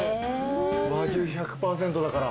和牛１００％だから。